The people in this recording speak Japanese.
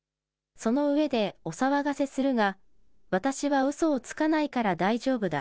その上で、お騒がせするが、私はうそをつかないから大丈夫だ。